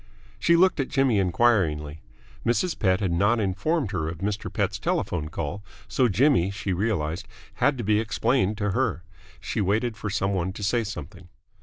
She looked at Jimmy enquiringly. Mrs. Pett had not informed her of Mr. Pett's telephone call, so Jimmy, she realised, had to be explained to her. She waited for some one to say something.